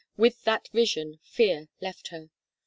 With that vision fear left her.